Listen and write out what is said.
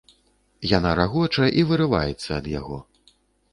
Яна рагоча і вырываецца ад яго.